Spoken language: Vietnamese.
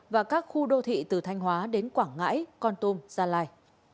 và các khu đô thị từ thanh hóa đến quảng ngãi con tum gia lai